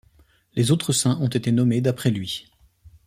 Les autres saints ont été nommés d'après lui.